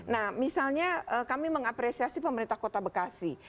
nah misalnya kami mengapresiasi pemerintah kota bekasi